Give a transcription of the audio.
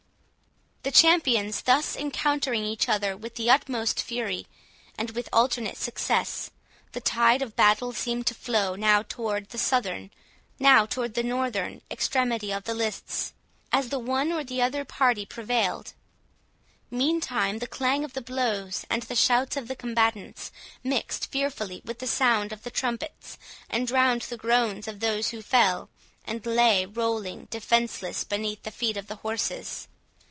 The champions thus encountering each other with the utmost fury, and with alternate success, the tide of battle seemed to flow now toward the southern, now toward the northern extremity of the lists, as the one or the other party prevailed. Meantime the clang of the blows, and the shouts of the combatants, mixed fearfully with the sound of the trumpets, and drowned the groans of those who fell, and lay rolling defenceless beneath the feet of the horses.